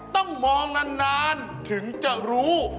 ต้องมองนานถึงจะรู้